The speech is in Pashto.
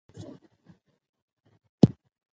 ستوني غرونه د افغانستان د تکنالوژۍ پرمختګ سره تړاو لري.